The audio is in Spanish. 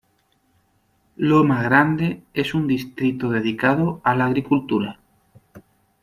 Loma Grande es un distrito dedicado a la agricultura.